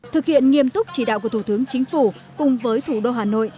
thực hiện nghiêm túc chỉ đạo của thủ tướng chính phủ cùng với thủ đô hà nội